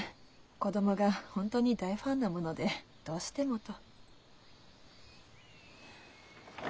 子供が本当に大ファンなものでどうしてもと。